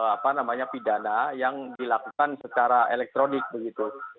apa namanya pidana yang dilakukan secara elektronik begitu